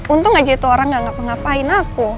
untung aja itu orang yang ngapa ngapain aku